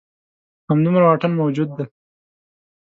همدومره واټن موجود دی.